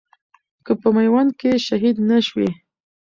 که په ميوند کښي شهيد نه شوې